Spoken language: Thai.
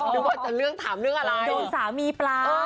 นึกว่าจะเรื่องถามเรื่องอะไรโดนสามีปลา